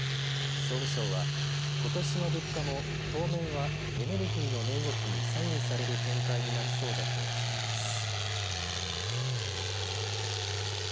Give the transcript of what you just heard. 総務省は、ことしの物価も当面はエネルギ−の値動きに左右される展開になりそうだとしています。